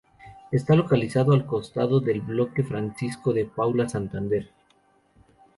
Está localizado al costado del Bloque Francisco de Paula Santander.